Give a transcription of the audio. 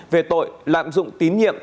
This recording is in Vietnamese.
về tội lạm dụng tín nhiệm